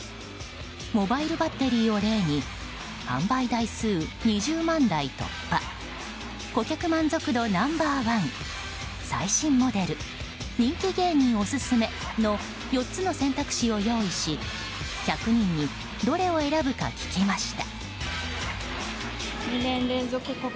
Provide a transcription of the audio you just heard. モバイルバッテリーを例に販売台数２０万台突破顧客満足度ナンバー１最新モデル人気芸人オススメの４つの選択肢を用意し１００人にどれを選ぶか聞きました。